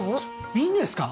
いいんですか？